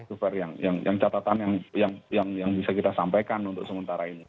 itu yang catatan yang bisa kita sampaikan untuk sementara ini